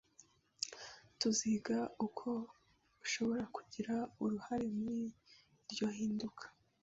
Tuziga uko ushobora kugira uruhare muri iryo hinduka